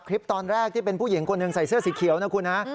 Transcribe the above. คลิปตอนแรกที่เป็นผู้หญิงคนหนึ่งใส่เสื้อสีเขียวนะคุณฮะ